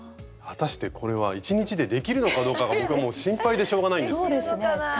果たしてこれは１日でできるのかどうかが僕はもう心配でしょうがないんですけども。３年ですか？